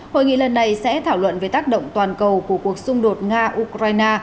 hội nghị lần này sẽ thảo luận về tác động toàn cầu của cuộc xung đột nga ukraine